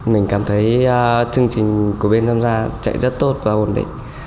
mình cảm thấy chương trình của bên giamgia chạy rất tốt và ổn định